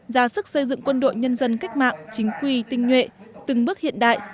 ra sức xây dựng quân đội nhân dân cách mạng chính quy tinh nhuệ từng bước hiện đại